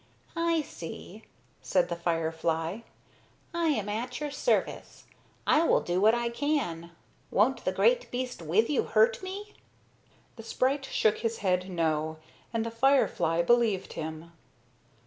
"I see," said the firefly. "I am at your service. I will do what I can. Won't the great beast with you hurt me?" The sprite shook his head no, and the firefly believed him.